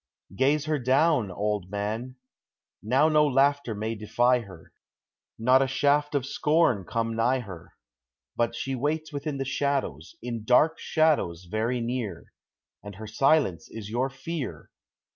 Gaze her down, old man! Now no laughter may defy her, Not a shaft of scorn come nigh her, But she waits within the shadows, in dark shadows very near. And her silence is your fear.